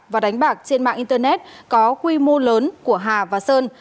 và đánh bạc trên mạng internet có quy mô lớn của hà và sơn